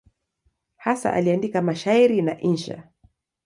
Hasa aliandika mashairi na insha.